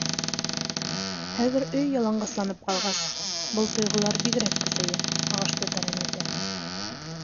Хәҙер, өй яланғасланып ҡалғас, был тойғолар бигерәк көсәйә, һағышты тәрәнәйтә.